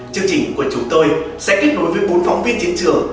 chương trình của chúng tôi sẽ kết nối với bốn phóng viên chiến trường